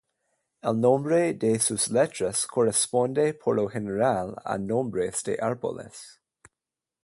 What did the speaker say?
El nombre de sus letras corresponde por lo general a nombres de árboles.